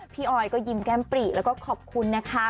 ออยก็ยิ้มแก้มปรีแล้วก็ขอบคุณนะคะ